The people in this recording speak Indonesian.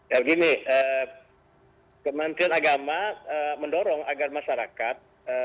ya begini kementerian agama mendorong agar masyarakat